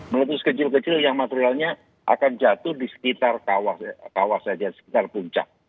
meletus kecil kecil yang materialnya akan jatuh di sekitar kawasan sekitar puncak